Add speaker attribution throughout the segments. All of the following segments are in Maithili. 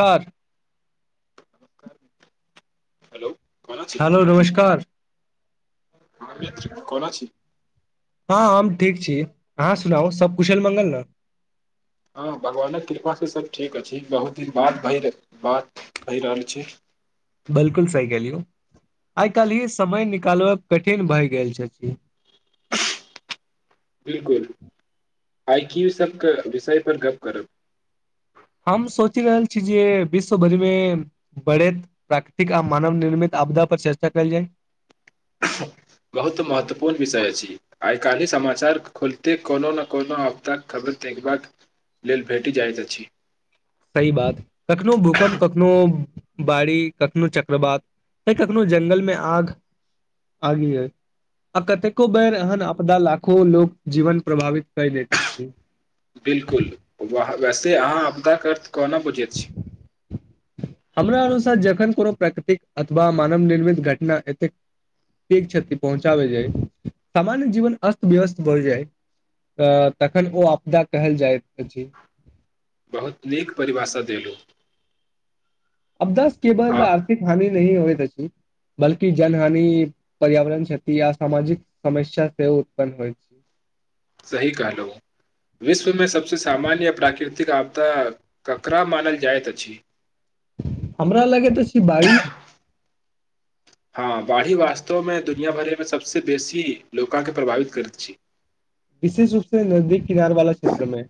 Speaker 1: कर
Speaker 2: हेलौ
Speaker 1: हेलो नमस्कार
Speaker 2: हँ मित्र कोना छी
Speaker 1: हँ हम ठीक छी अहाँ सुनाउ सभ कुशल मंगल ने
Speaker 2: हँ भगवानक कृपासँ सभ ठीक अछि बहुत दिन बाद भय बात भय रहल अछि
Speaker 1: बिलकुल सहि कहलियै आइ काल्हिये समय निकालबय कठिन भए गेल छथि
Speaker 2: [inaudible] बिलकुल आइ क्यू सबके विषय पर गप्प करब
Speaker 1: हम सोचि रहल छी जे विश्व भरिमे बढ़ैत प्राकृतिक आ मानव निर्मित आपदा पर चर्चा कयल जाए
Speaker 2: [inaudible] बहुत महत्वपूर्ण विषय अछि आइकाल्हि समाचार खोलिते कोनो नै कोनो आपदाक खबर देखबाक लेल भेटि जाइत अछि
Speaker 1: सही बात कखनो भूकम्प कखनो बाढि कखनो चक्रवात तऽ कखनो जंगलमे आगि आगि अए आ कतेको बेर एहन आपदा लाखो लोक जीवन प्रभावित कऽ लै छथिन
Speaker 2: बिलकुल वैसे अहाँ आपदाक अर्थ कोना बुझैत छी
Speaker 1: हमरा अनुसार जखन कोनो प्रकृतिक अथवा मानव निर्मित घटना एतेक एक क्षति पहुँचाबै जाय सामान्य जीवन अस्त व्यस्त भऽ जाय त तखन ओ आपदा कहल जायत अछि
Speaker 2: बहुत नीक परिभाषा देलु
Speaker 1: आपदा केबल आर्थिक हानि नही होइत अछि बल्कि जन हानि पर्यावरण क्षति अ सामाजिक समस्या से उत्पन्न होइ
Speaker 2: सही कहलऊ विश्व मे सबसे सामान्य प्राकृतिक आप दा ककरा मानल जायत अछी
Speaker 1: हमरा लगेत अछि बाढ़ी
Speaker 2: हँ बाढ़ी वास्तवमे दुनिया भरमे सबसे बेसी लोका के प्रभावित करैत छी
Speaker 1: विशेष रूप से नजदीक किनार वाला क्षेत्र मे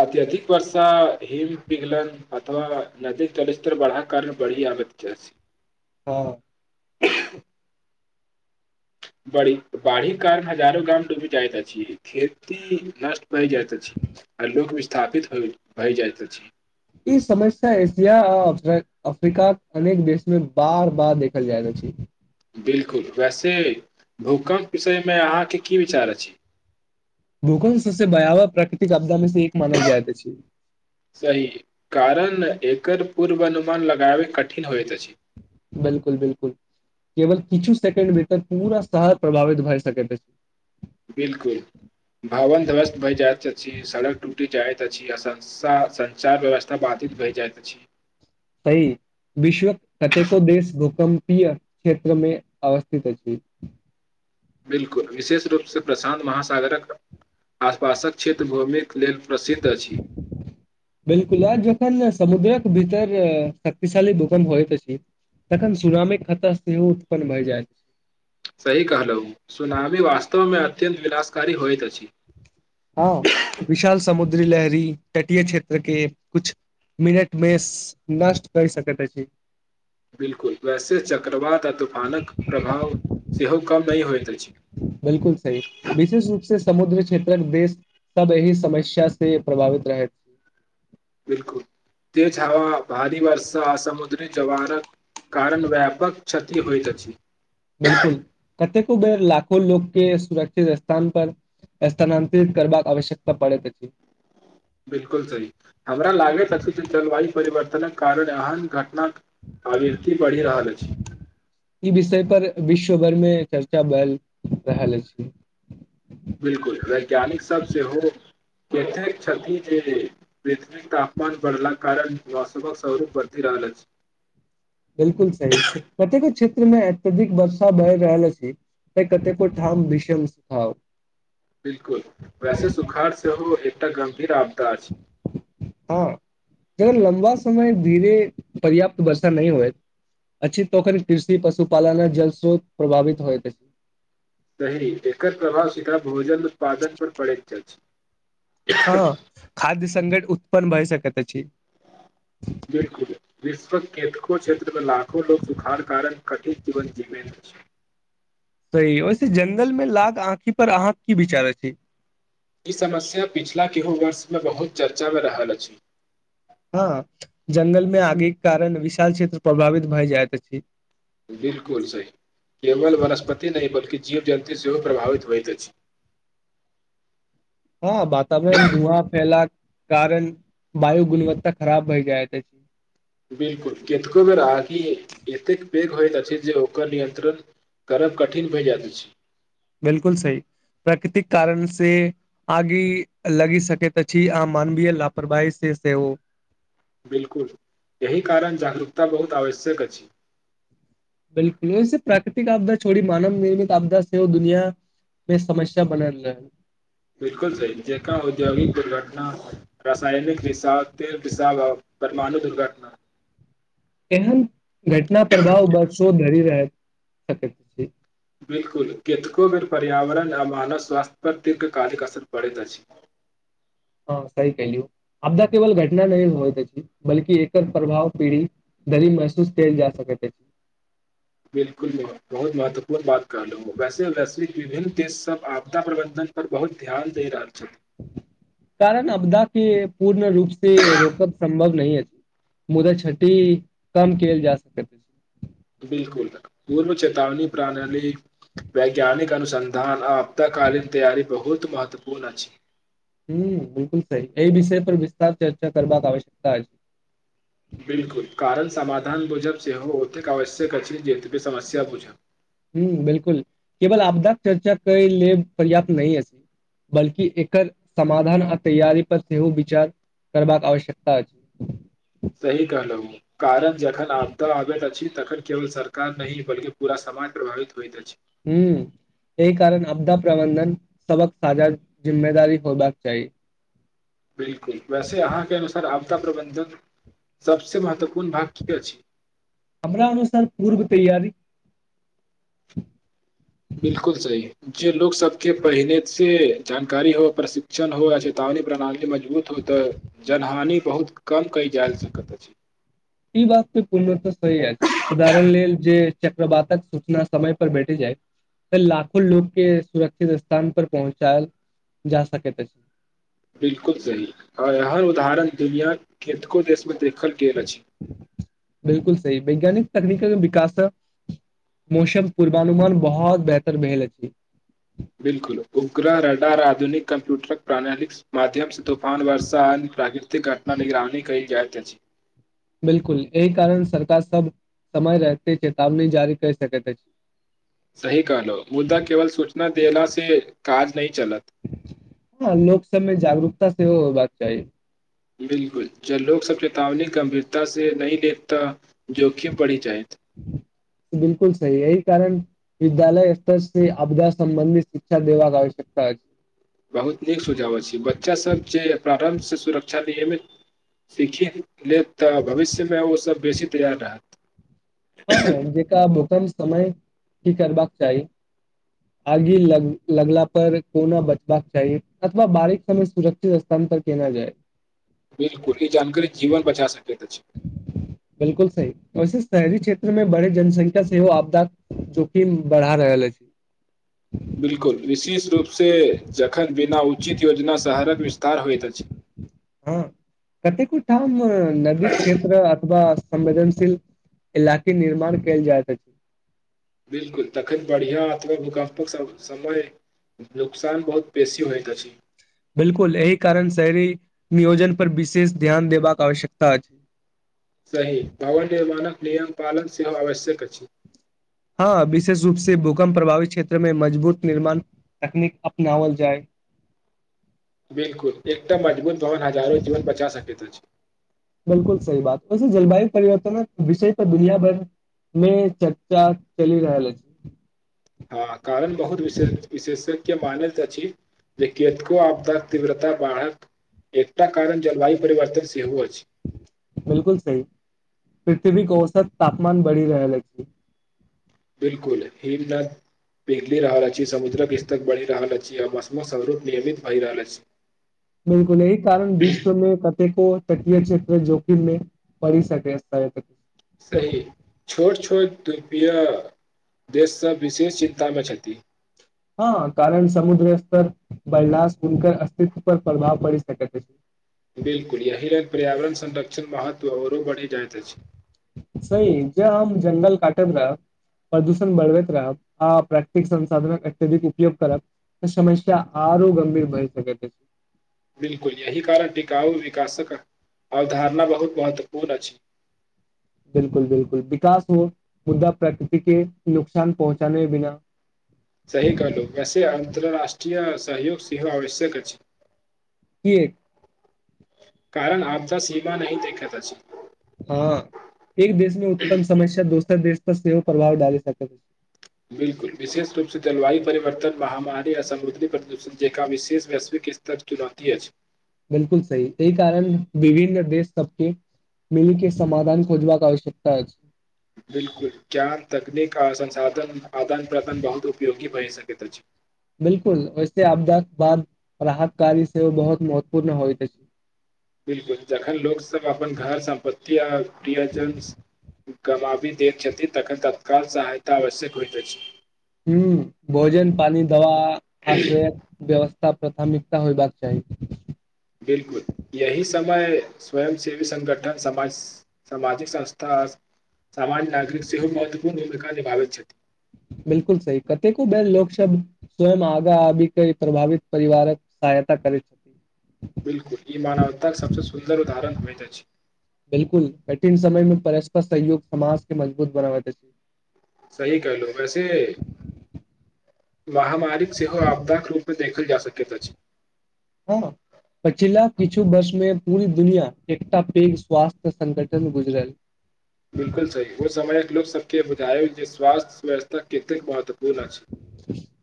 Speaker 2: अत्यधिक वर्षा हिम पिघलन अथवा नदी जलस्तर बढ़ा कारण बढ़ि साबित [unintelligible]
Speaker 1: हँ
Speaker 2: [inaudible] बरी बाढ़ी कारण हजारो गाम डूबी जाइत अछि खेती नष्ट भै जायत अछि आ लोक विस्थापित हो भए जाइत अछि
Speaker 1: ई समस्या एशिया आ अफ्रीका के अनेक देश मे बार बार देखल जाय रहल अछि
Speaker 2: बिल्कूल वैसे भूकम्प विषय मे अहाँ के की विचार अछि
Speaker 1: भूकंप सबसे भयावह प्राकृतिक आपदा मे से एक मानल जाइत अछि
Speaker 2: सही कारण एकर पूर्व अनुमान लगाबै कठिन होयत अछि
Speaker 1: बिल्कूल बिल्कूल केवल किछु सेकेंड भीतर पूरा शहर प्रभावित भै सकैत अछि
Speaker 2: बिल्कूल भवन ध्वस्त भए जायत अछि सड़क टूटी जायत अछि आ संसा संचार व्यवस्था बाधित भय जाइत अछि
Speaker 1: सही विश्व कतेको देश भूकम्प भूकम्पिय क्षेत्र मे अवस्थित अछि
Speaker 2: बिल्कुल विशेष रूप से प्रशांत महासागरक आसपासक क्षेत्र भूमि
Speaker 1: बिल्कूल आ जखन ने समुद्रक भीतर शक्तिशाली भुकंप होइत अछि तखन सुनामी के खतरा सेहो उत्पन्न भए जाइत
Speaker 2: सही कहलहु सुनामी वास्तव मे अत्यन्त विनाशकारी होयत अछि
Speaker 1: हो विशाल समुद्री लहरी तटीय क्षेत्र के कुछ मिनट मे नष्ट कर सकैत अछि
Speaker 2: बिल्कुल वैसे चक्रवात आ तूफानक प्रभाव सेहो कम नय होइत अछि
Speaker 1: बिल्कुल सही विशेष रूप से समुद्र क्षेत्रक देश सब एहिह समस्या से प्रभावित रहैत
Speaker 2: बिल्कुल तेज हवा भारी वर्षा समुद्री जवारक कारण व्यापक क्षति होइत अछि
Speaker 1: [unintelligible] लोकके सुरक्षित स्थान पर स्थानांतरित करबाक आवश्यकता परैत अछि
Speaker 2: बिलकुल सही हमरा लागैत अछि जे जलवायु परिवर्तन कारण एहन घटना आवृत्ति बढ़ि रहल अछि
Speaker 1: ई विषय पर विश्व भर मे चर्चा बल रहल अछि
Speaker 2: बिल्कूल वैज्ञानिक सब ससेहो केतेक क्षति जे पृथ्वी क तापमान बढ़ला कारण वास्तविक स्वरूप बढ़ती रह बल अछि
Speaker 1: बिल्कुल सही प्रतेक क्षेत्र मे मे अत्यधिक वर्षा भय रहल अछि त कतेको ठाम भीषन स्ताहु
Speaker 2: तऽ गधीराब [unintelligible]
Speaker 1: हँ जगर लम्बा समय धीरे पर्याप्त वर्षा नहि होएत अछि तखन कृषि पशुपालन आ जल स्रोत प्रभावित होइत अछि
Speaker 2: सही एकर प्रभाव सीधा भोजन उत्पादन पर पड़ैत अछि
Speaker 1: हँ खाद्यसंकट उत्पन्न भए सकत अछि
Speaker 2: बिलकुल विश्व केतको क्षेत्र मे लाखो लोग सुखाड़ कारण कठिन जीवन जीबे [inaudible]
Speaker 1: सही वैसे जंगल मे लाग आँखि पर अहाँक की विचार अछि
Speaker 2: ई समस्या पछिला केहू वर्षमे बहुत चर्चामे रहल अछि
Speaker 1: हँ जंगल मे आगे के कारण विशाल क्षेत्र प्रभावित भए जाइत अछि
Speaker 2: बिलकुल सही केवल वनस्पति नहि बल्कि जीव जन्ती सेहो प्रभावित होइत अछि [inaudible]
Speaker 1: हँ वातावरण धुआँ फैला कारण वायु गुणवत्ता खराब भइ जाइत
Speaker 2: बिलकुल केतेको बेर आगी एतेक पेघ होइत अछि जे ओकर नियन्त्रण करब कठिन भए जायइत अछि
Speaker 1: बिलकुल सही प्राकृतिक कारण से आगि लगि सकैत अछि आ मानवीय लापरवाही से से ओ
Speaker 2: बिल्कुल एहि कारण जागरूकता बहुत आवश्यक अछि
Speaker 1: बिलकुलेसँ प्राकृतिक आपदा छोड़ी मानव निर्मित आपदा सेहो ओ दुनिया बे समस्या बनल रह
Speaker 2: बिलकुल सही जेकां औद्योगिक दुर्घटना रसायनिक रिसाव तेल [unintelligible] परमाणु दुर्घटना
Speaker 1: एहन घटना प्रभाव बाद शो धरि रह सकय छी
Speaker 2: बिलकुल केतको बेर पर्यावरण आ मानव स्वास्थ्य पर दीर्घकालिक असर पड़ैत अछि [inaudible]
Speaker 1: हँ सही कयलियौ आपदा केवल घटना नहि होइ अछि बलकि एकर प्रभाव पीढ़ी दरी महसूस कल जा सकै कै
Speaker 2: [inaudible] बिल्कुल बहुत महत्वपूर्ण बात कहलहु वैसे वैसे विभिन्न देश सब आपदा प्रबंधन पर बहुत ध्यान दे रहल छथि
Speaker 1: कारण अपदा के पूर्ण रूप से रोकब सम्भव नहि अछि मुदा छटी कम कयल जा सकै
Speaker 2: बिलकुल पूर्व चेतावनी प्रणाली वैज्ञानिक अनुसन्धान आ आपदा कालीन तैयारी बहुत महत्वपूर्ण अछि
Speaker 1: हुं बिलकुल सही एहि विषय पर विस्तार चर्चा करबाक आवश्यकता अछि
Speaker 2: बिलकुल कारण समाधान बुझब सेहो औतेक आवश्यक अछि जेतबे समस्या बुझब
Speaker 1: ह बिलकुल केवल आपदाक चर्चा कय लेब पर्याप्त नहि अछि बल्कि एकर समाधान आ तैयारी पर सेहो विचार करबाक आवश्यकता अछि
Speaker 2: सही कहलहु कारण जखन आपदा आबैत अछि तखन केवल सरकार नहि बल्कि पूरा सम मय प्रभावित होइत छै
Speaker 1: हू एहि कारण आपदा प्रबन्धन सबक साझा जिम्मेदारी होबाक चाही
Speaker 2: बिलकुल वैसे अहाँके अनुसार आपदा प्रबंधन सबस महत्व
Speaker 1: हमरा अनुसार पूर्व तैयारी
Speaker 2: बिलकुल सही जे लोग सबके पहिने से जानकारी हो प्रशिक्षण हो आ चेतावनी प्रणाली मजबूत हो तऽ जनहानि बहुत कम कयल जा सकैत अछि
Speaker 1: ई बात तऽ पूर्णतः सही अछि उदाहरण लेल जे चक्रवातक सूचना समय पर बैटि जायत त लाखो लो के सुरक्षित स्थान पर पहुँचायल जा सकैत अछि
Speaker 2: बिलकुल सही आ हर उदाहरण दुनिया केतको देश देखल केल अछि
Speaker 1: बिल्कुल वैज्ञानिक तकनीकक विकास स मौसम पूर्वानुमान बहुत बेहतर भेल अछि
Speaker 2: बिल्कल उग्रा रडा आधुनिक कम्प्यूटरक प्रणाली माध्यम से तूफान वर्षा आ प्राकृतिक घटना निगरानी कइल जाईय अछी
Speaker 1: बिलकुल एहि कारण सरकार सब समय रहते चतावनी जारी कैर सकैत अछि
Speaker 2: सही कहलो मुद्दा केवल सूचना देना से काज नहि चलत
Speaker 1: लोक सबमे जागरूकता सेहो होयबाक चाही
Speaker 2: बिलकुल ज लोग सबके चेतावनी गंभीरता से नहि देखता जोखिम पढ़ी जाइत
Speaker 1: बिल्कुल सही एहि कारण विद्यालय स्तर आपदा सम्बन्धीत शिक्षा देबाक आवश्यकता अछि
Speaker 2: बहुत नीक सुझाव छै बच्चासभ जे प्रारम्भसँ सुरक्षा नियमित सीखि लेत तऽ भविष्य मे ओसभ बेसी तैयार रहत
Speaker 1: हँ जेकरा भूकम्प समय करबाक चाही आगे ल लगला पर कोना बचबाक चाही अथवा बारश समय सुरक्षित स्थान पर केना जाए [inaudible]
Speaker 2: बिलकुल ई जानकारी जीवन बचा सकैत अछी
Speaker 1: बिलकुल सही वैसे शहरी क्षेत्रमें बड़े जनसंख्या सेहो आपदा जोखिम बढहा रहल अछि
Speaker 2: बिलकुल विशेष रूपसँ जखन बिना उचित योजना शहरक विस्तार होइत अछि
Speaker 1: हँ कतेको ठाम नदीक क्षेत्र अथवा संवेदनशील इलाक निर्माण कैल जाइत अछि
Speaker 2: बिलकुल तखन बढ़िआ अथवा भूकम्पक सब समय नुकसान बहुत बेशी होइत अछि
Speaker 1: बिलकुल एहि कारण शहरी नियोजन पर विशेष ध्यान देबाक आवश्यकता अछि
Speaker 2: सही भवन निर्माणक नियम पालक सेहो आवश्यक अछि
Speaker 1: हँ विशेष रूप से भूकम्प प्रभावित क्षेत्र मे मजबूत निर्माण तकनीक अपनाओल जाय
Speaker 2: बिलकुल एकटा मजबूत भवन हजारो जीवन बचा सकैत अछि
Speaker 1: बिलकुल सही बात वैसे जलवायु परिवर्तनक विषय पर दुनिया भर मे चर्चा चलि रहलै
Speaker 2: हँ कारण बहुत विशेष विशेषक्य मानैत अछि जे कतको आबदाक तीव्रता बढ़क एकटा कारण जलवायु परिवर्तन सेहो अछि
Speaker 1: बिलकुल सहि पृथ्वी क औसत तापमान बढ़ि रहल अछि
Speaker 2: बिलकुल हर द पिघलि रहल अछि समुद्रक इस्तक बढ़ि रहल अछि मौसमो स्वरूप नियमित भैई रहल अछि
Speaker 1: बिलकुल एहि कारण विश्वमे को तटियै क्षेत्र जोखिम मे परि सकैत अछि
Speaker 2: सही छोट छोट दुपिया देशसँ विशेष चिन्तामे छथि
Speaker 1: हँ कारण समुद्र स्तर बरलाह हुनक अस्तित्व पर प्रभाव पड़ि सकैत अछि
Speaker 2: बिलकुल अयहरन पर्यावरण संरक्षण महत्व औरो बढि जाइत अछि
Speaker 1: सह ज जङ्ंगल काटल जा प्रदूषण बढ़बैत रहब आ प्राकृतिक संसाधन अत्यधिक उपयोग करब समस्या आ आउरो गंभीर भइ सकते ऐछ
Speaker 2: बिल्कुल यही कारण टिकाउ विकासक अवधारणा बहुत महत्वपूर्ण अछि
Speaker 1: बिलकुल बिलकुल विकास हो मुद्दा प्रकृति के नुकसान पहुँचाने बिना
Speaker 2: सही कहलाऊं बेस अन्तरराष्ट्रीय सहयोग सेहोह आवश्यक अछि
Speaker 1: कि
Speaker 2: कारण आपदा सीमा नहि देखैत अछि
Speaker 1: हँ एक देश मे उत्पन्न समस्या दोसर देश पर सेहो प्रभाव डाली सकै
Speaker 2: बिलकुल विशेष रूपसँ जलवायु परिवर्तन महामारी आ समुद्री प्रदूषण जेकरा विशेष वैश्विक किस्तर चुनौती अछि
Speaker 1: बिलकुल सही एहि कारण विभिन्न देश सबके मिल के समधान खोजबाक आवश्यकता अछि
Speaker 2: बिलकुल ज्ञान तकनीक का संसाधन आदान प्रदान बहुत उपयोगी भए सकैत अछि
Speaker 1: बिलकुल वैसे आपदा बाद राहतकारी सेहो बहुत महत्वपूर्ण होईत अछि
Speaker 2: बिलकुल जखन लोकसभ अपन घर कमाबी देन छथिन तखन तत्काल सहायता आवश्यक होइत अछि
Speaker 1: ह भोजन पानि दवा आस व्यवस्था प्राथमिकता होयबाक चाही
Speaker 2: बिलकुल यही समय स्वयंसेवी संगगठन सामाजिक संस्था सामान्य नागरिक सेहो महत्वपूर्ण भूमिका निभाबैत छथि
Speaker 1: बिलकुल सही कतेको बेर लोक सब स्वयं आगाँ आबि के प्रभावित परिवारक सहायता करै छै
Speaker 2: बिलकुल ई मानवताके सबसे सुन्दर उदाहरण होइत अछि
Speaker 1: बिलकुल कठिन समय मे परस्पर सहयोग समाज के मजबूत बनाबति अछि
Speaker 2: सही कहलो वैसे महामारिक सेहो आपदाक रूपमे देखल जा सकैत अछि
Speaker 1: ह पछिला किछु वर्ष मे पूरी दुनिया एकटा पैघ स्वास्थ्य संगठन गुजरल
Speaker 2: के विधायक जे स्वासथ्य व्यवस्था कतेक बहुत्व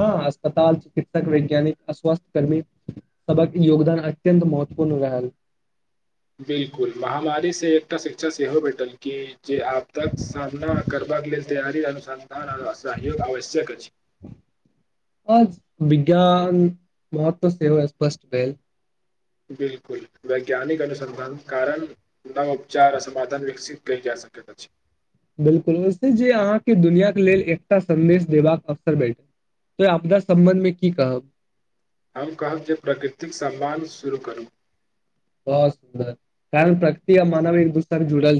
Speaker 1: हँ अस्पताल च वैज्ञानिक अस्वास्थ्य कर्मी सबक योगदान अत्यन्त महत्वपूर्ण रहल
Speaker 2: बिलकुल महामारी से एकटा शिक्षा से सेहो भेटल की जे आपदाक सामना करबाक लेल तैयारी अनुसार संन्धान आ सहयोग आवश्यक अछि
Speaker 1: आज विज्ञान महत्व सेहो स्पष्ट भेल
Speaker 2: बिलकुल वैज्ञानिक अनुसन्धान कारण नवोपचार असाधान विकसित कयल जा सकैत अछि
Speaker 1: बिलकुल ओ जे अहाँके दुनिआके लेल एकटा सन्देश देबाक अवसर भेटल तो आपदा सम्बन्धमे की कहब
Speaker 2: हम कहब जे प्रकृतिक सम्मान शुरू करू
Speaker 1: बहुत सुन्दर कारण प्रकृति आ मानव एक दूसर जुड़ल